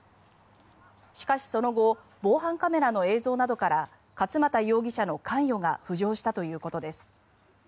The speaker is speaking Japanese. しかし、その後防犯カメラの映像などから勝又容疑者の関与が浮上したということです。